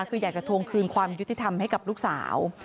คืออยากจะทวงคืนความยุติธรรมให้กับลูกสาว